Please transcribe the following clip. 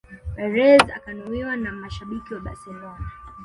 Perez akanuniwa na mashabiki wa Barcelona